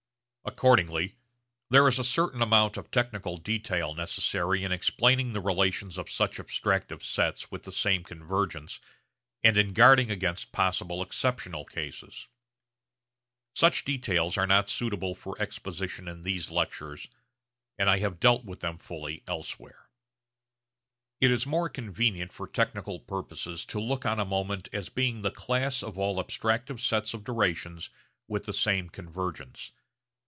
Accordingly there is a certain amount of technical detail necessary in explaining the relations of such abstractive sets with the same convergence and in guarding against possible exceptional cases. Such details are not suitable for exposition in these lectures, and I have dealt with them fully elsewhere. Cf. An Enquiry concerning the Principles of Natural Knowledge, Cambridge University Press, 1919. It is more convenient for technical purposes to look on a moment as being the class of all abstractive sets of durations with the same convergence.